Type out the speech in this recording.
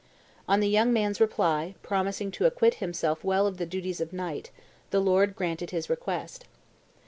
On the young man's reply, promising to acquit himself well of the duties of knight, the lord granted his request.